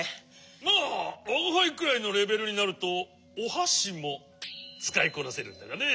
まあわがはいくらいのレベルになるとおはしもつかいこなせるんだがね。